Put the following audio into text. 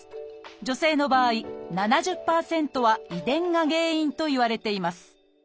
女性の場合７０％は遺伝が原因といわれています